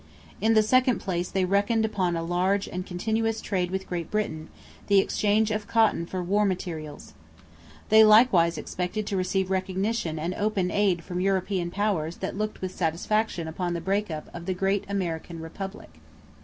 In the second place, they reckoned upon a large and continuous trade with Great Britain the exchange of cotton for war materials. They likewise expected to receive recognition and open aid from European powers that looked with satisfaction upon the breakup of the great American republic.